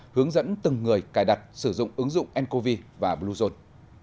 hướng dẫn từng người cài đặt sử dụng ứng dụng ncov và bluezone